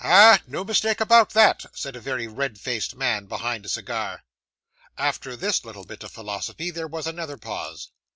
'Ah! no mistake about that,' said a very red faced man, behind a cigar. After this little bit of philosophy there was another pause.